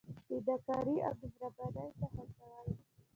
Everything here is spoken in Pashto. فدا کارۍ او مهربانۍ ته هڅول.